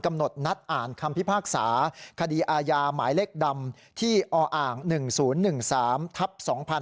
นัดอ่านคำพิพากษาคดีอาญาหมายเลขดำที่ออ่าง๑๐๑๓ทับ๒๕๕๙